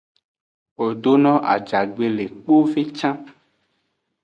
Wo do no ajagbe le kpove can.